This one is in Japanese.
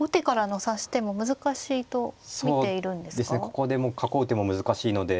ここで囲う手も難しいので。